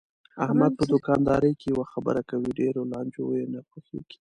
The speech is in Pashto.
احمد په دوکاندارۍ کې یوه خبره کوي، ډېرو لانجې یې نه خوښږي.